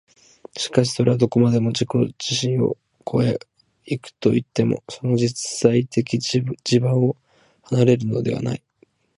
しかしそれはどこまでも自己自身を越え行くといっても、その実在的地盤を離れるのではない。